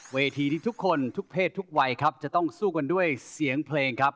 เวทีที่ทุกคนทุกเพศทุกวัยครับจะต้องสู้กันด้วยเสียงเพลงครับ